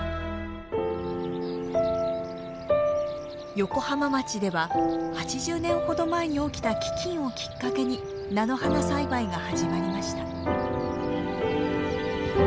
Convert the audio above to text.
横浜町では８０年ほど前に起きた飢きんをきっかけに菜の花栽培が始まりました。